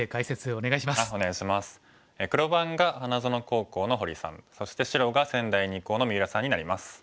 黒番が花園高校の堀さんそして白が仙台二高の三浦さんになります。